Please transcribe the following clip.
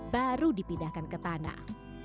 baru dipindahkan ke tanah